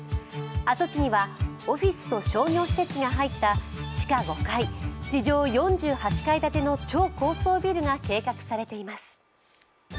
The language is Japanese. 跡地にはオフィスと商業施設が入った地下５階・地上４８階建ての超高層ビルが計画されています。